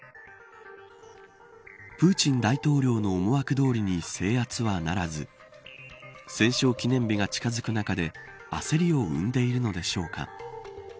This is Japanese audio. プーチン大統領の思惑どおりに制圧はならず戦勝記念日が近づく中で焦りを生んでいるのでしょうか。